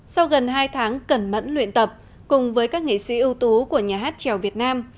sau gần hai tháng cẩn mẫn luyện tập cùng với các nghệ sĩ ưu tú của nhà hát trèo việt nam